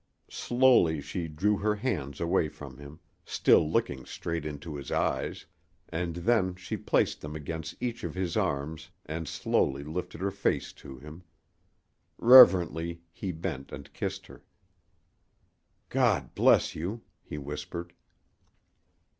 Slowly she drew her hands away from him, still looking straight into his eyes, and then she placed them against each of his arms and slowly lifted her face to him. Reverently he bent and kissed her. "God bless you!" he whispered.